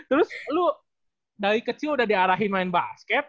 terus lu dari kecil udah diarahin main basket